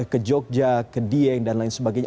ke jogja ke dieng dan lain sebagainya